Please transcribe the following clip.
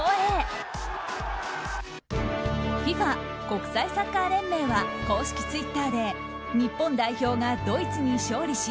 ＦＩＦＡ・国際サッカー連盟は公式ツイッターで日本代表がドイツに勝利し